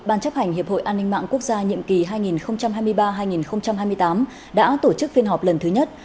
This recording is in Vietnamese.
ban chấp hành hiệp hội an ninh mạng quốc gia nhiệm kỳ hai nghìn hai mươi ba hai nghìn hai mươi tám đã tổ chức phiên họp lần thứ nhất